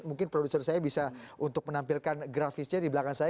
mungkin produser saya bisa untuk menampilkan grafisnya di belakang saya